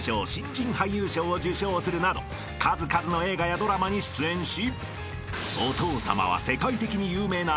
［するなど数々の映画やドラマに出演し］